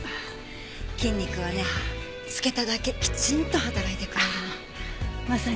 筋肉はねつけただけきちんと働いてくれるの。